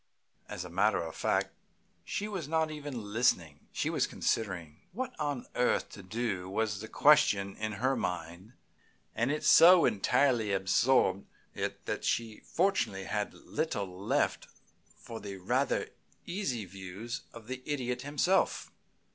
As a matter of fact, she was not even listening. She was considering. What on earth to do was the question in her mind, and it so entirely absorbed it that she fortunately had little left for the rather easy views of the Idiot himself.